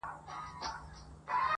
که ګوربت سي زموږ پاچا موږ یو بېغمه!!